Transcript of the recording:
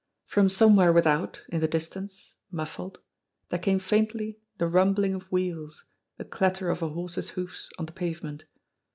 From somewhere without, in the distance, muffled, there came faintly the rumbling of wheels, the clatter of a horse's hoofs on the pavement.